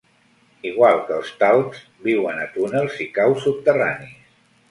Igual que els talps viuen a túnels i caus subterranis.